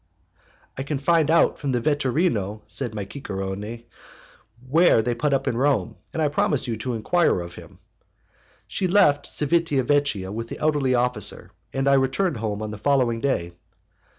"'I can find out from the vetturino,' said my cicerone, 'where they put up in Rome, and I promise you to enquire of him.' "She left Civita Vecchia with the elderly officer, and I returned home on the following day.